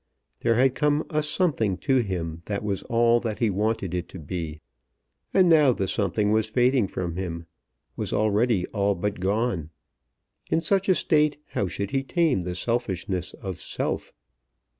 There had come a something to him that was all that he wanted it to be. And now the something was fading from him, was already all but gone. In such a state how should he tame the selfishness of self?